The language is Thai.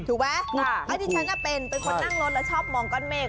ถูกไหมอันนี้ฉันเป็นคนนั่งรถแล้วชอบมองก้อนเมฆ